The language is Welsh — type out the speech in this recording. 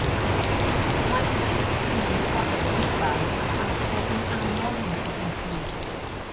Mae hyn yn cynnwys gwasanaethau a all fod yn anodd i'w dyblygu.